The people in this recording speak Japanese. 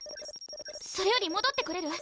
それより戻ってこれる？